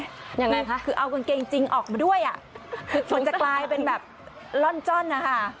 ยังไงคะคือเอากางเกงจริงออกมาด้วยอ่ะคือมันจะกลายเป็นแบบล่อนจ้อนนะคะ